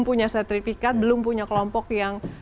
punya sertifikat belum punya kelompok yang